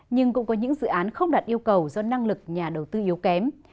nhưng cũng có những dự án không đạt yêu cầu do năng lực nhà đầu tư yếu kém